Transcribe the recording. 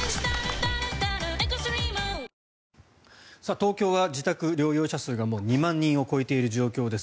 東京は自宅療養者数がもう２万人を超えている状況です。